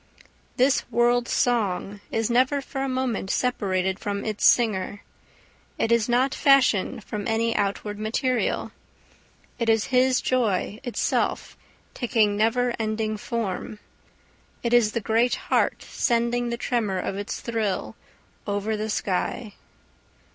This world song is never for a moment separated from its singer. It is not fashioned from any outward material. It is his joy itself taking never ending form. It is the great heart sending the tremor of its thrill over the sky.